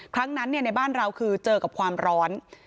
ครั้งนั้นในบ้านเราคือเจอกับความร้อน